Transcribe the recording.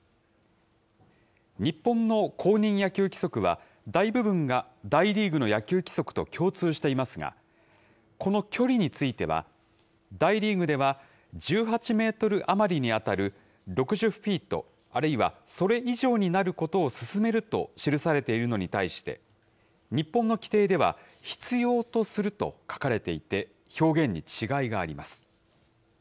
日本の公認野球規則は、大部分が大リーグの野球規則と共通していますが、この距離については、大リーグでは１８メートル余りに当たる６０フィート、あるいはそれ以上になることを勧めると記されているのに対して、日本の規定では、必要とすると書かれていて、表現に違いがあります。